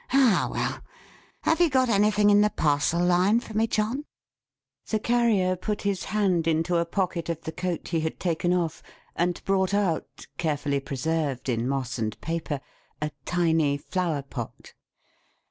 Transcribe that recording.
Ah! well! Have you got anything in the parcel line for me John?" The Carrier put his hand into a pocket of the coat he had taken off; and brought out, carefully preserved in moss and paper, a tiny flower pot.